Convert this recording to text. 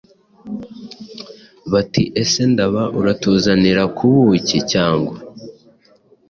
bati :”ese Ndaba uratuzanira ku buki cyangwa”?